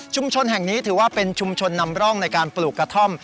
แห่งนี้ถือว่าเป็นชุมชนนำร่องในการปลูกกระท่อม